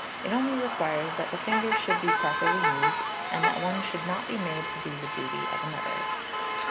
It only requires that the fingers should be properly used, and that one should not be made to do the duty of another.